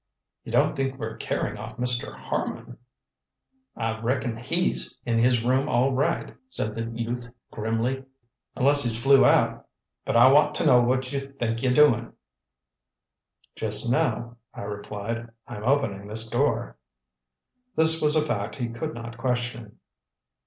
"You don't think we're carrying off Mr. Harman?" "I reckon HE'S in his room all right," said the youth grimly; "unless he's FLEW out. But I want t' know what you think y're doin'?" "Just now," I replied, "I'm opening this door." This was a fact he could not question.